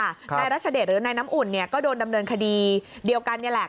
นายรัชเดชหรือนายน้ำอุ่นเนี่ยก็โดนดำเนินคดีเดียวกันนี่แหละ